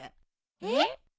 えっ？